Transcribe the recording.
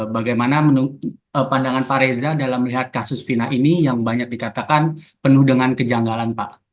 bagaimana pandangan pak reza dalam melihat kasus fina ini yang banyak dikatakan penuh dengan kejanggalan pak